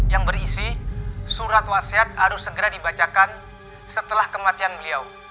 yang berisi surat wasiat harus segera dibacakan setelah kematian beliau